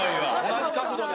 同じ角度で。